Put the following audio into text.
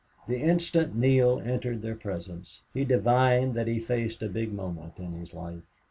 The instant Neale entered their presence he divined that he faced a big moment in his life.